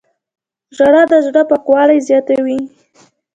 • ژړا د زړه پاکوالی زیاتوي.